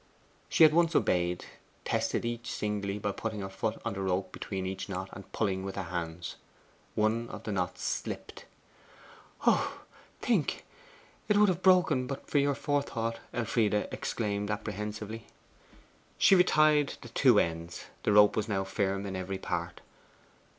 She at once obeyed, tested each singly by putting her foot on the rope between each knot, and pulling with her hands. One of the knots slipped. 'Oh, think! It would have broken but for your forethought,' Elfride exclaimed apprehensively. She retied the two ends. The rope was now firm in every part.